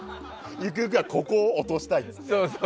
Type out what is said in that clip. ゆくゆくはここを落としたいって。